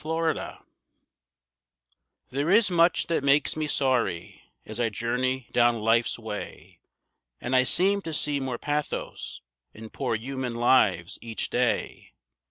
=Sorry= There is much that makes me sorry as I journey down life's way. And I seem to see more pathos in poor human lives each day.